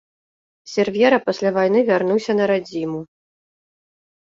Сервера пасля вайны вярнуўся на радзіму.